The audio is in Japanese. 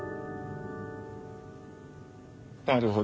なるほど。